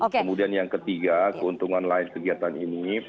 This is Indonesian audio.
kemudian yang ketiga keuntungan lain kegiatan ini